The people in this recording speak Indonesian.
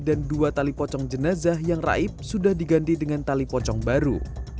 dua tali pocong jenazah yang raib sudah diganti dengan tali pocong baru